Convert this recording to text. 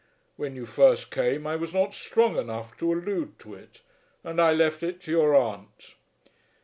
When you first came I was not strong enough to allude to it, and I left it to your aunt."